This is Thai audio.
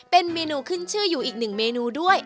เป็นเมนูขึ้นชื่ออยู่อีกหนึ่งเมนูด้วย